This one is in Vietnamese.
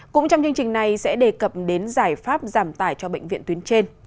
cũng trong chương trình này sẽ đề cập đến giải pháp giảm tải cho bệnh viện tuyến trên